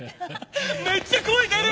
めっちゃ声出る！